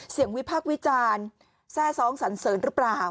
วิพากษ์วิจารณ์แทร่ซ้องสันเสริญหรือเปล่า